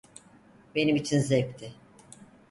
Benim için zevkti.